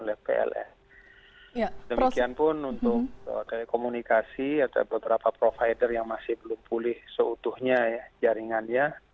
demikian pun untuk telekomunikasi atau beberapa provider yang masih belum pulih seutuhnya ya jaringannya